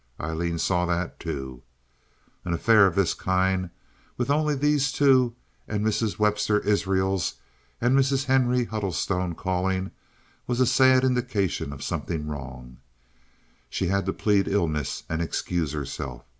Aileen saw that, too. An affair of this kind, with only these two and Mrs. Webster Israels and Mrs. Henry Huddlestone calling, was a sad indication of something wrong. She had to plead illness and excuse herself.